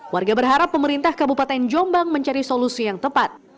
warga berharap pemerintah kabupaten jombang mencari solusi yang tepat